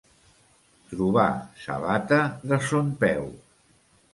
Trobar sabata de son peu.